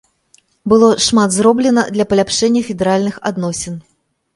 Было шмат зроблена для паляпшэння федэральных адносін.